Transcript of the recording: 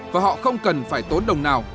và họ không cần phải tốn đồng nào